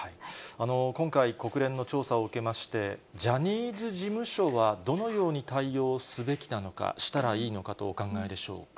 今回、国連の調査を受けまして、ジャニーズ事務所はどのように対応すべきなのか、したらいいのかとお考えでしょうか。